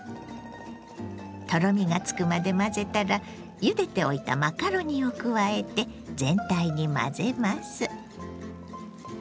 とろみがつくまで混ぜたらゆでておいたマカロニを加えて全体に混ぜます。